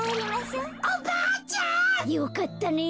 よかったね。